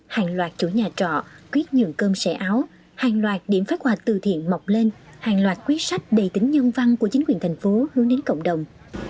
hàng loạt chủ nhà trọ quyết nhường cơm xẻ áo hàng loạt điểm phát hoa từ thiện mọc lên hàng loạt quyết sách đầy tính nhân văn của chính quyền thành phố hướng đến cộng đồng